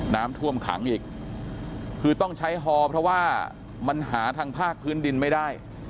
น้ำท่วมขังอีกคือต้องใช้ฮอเพราะว่ามันหาทางภาคพื้นดินไม่ได้